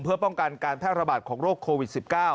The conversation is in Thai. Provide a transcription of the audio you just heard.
เพื่อป้องกันการแพร่ระบาดของโรคโควิด๑๙